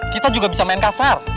kita juga bisa main kasar